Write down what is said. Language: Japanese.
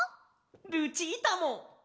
ルチータも！